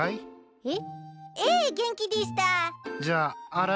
えっ？